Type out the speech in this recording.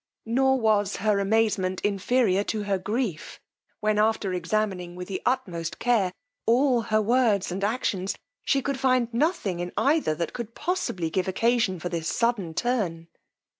Nor was her amazement inferior to her grief, when after examining, with the utmost care, all her words and actions, she could find nothing in either that could possibly give occasion for this sudden turn.